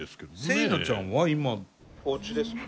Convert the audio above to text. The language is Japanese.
セイナちゃんは今おうちですか？